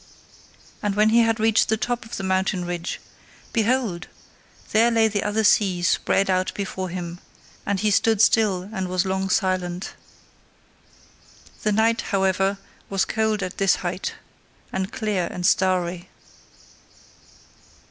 And when he had reached the top of the mountain ridge, behold, there lay the other sea spread out before him: and he stood still and was long silent. The night, however, was cold at this height, and clear and starry.